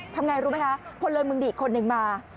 ทำไงรู้ไหมคะพลเมืองดีอีกคนนึงมา